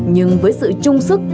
nhưng với sự trung sức